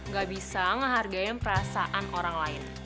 gak bisa menghargai perasaan orang lain